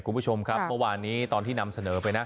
คุณผู้ชมครับเมื่อวานนี้ตอนที่นำเสนอไปนะ